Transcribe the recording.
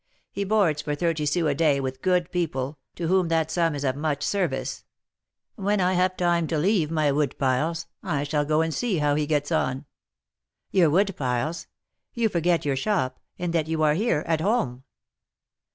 He boards for thirty sous a day with good people, to whom that sum is of much service. When I have time to leave my wood piles, I shall go and see how he gets on." "Your wood piles! You forget your shop, and that you are here at home!"